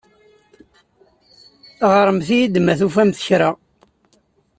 Ɣremt-iyi-d ma tufamt kra.